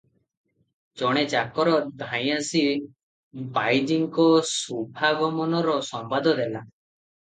ଜଣେ ଚାକର ଧାଇଁଆସି ବାଇଜୀଙ୍କ ଶୁଭାଗମନର ସମ୍ବାଦ ଦେଲା ।